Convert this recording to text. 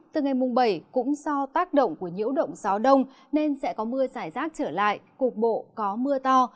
từ ngày mùng bảy cũng do tác động của nhiễu động gió đông nên sẽ có mưa giải rác trở lại cục bộ có mưa to